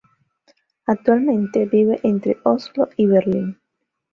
Actualmente vive entre Oslo y Berlín.